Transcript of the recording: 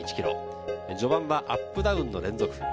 序盤はアップダウンの連続。